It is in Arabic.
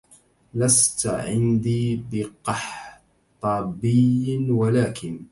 لست عندي بقحطبي ولكن